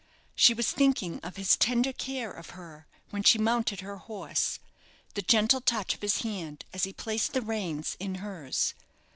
She was thinking of his tender care of her when she mounted her horse, the gentle touch of his hand as he placed the reins in hers.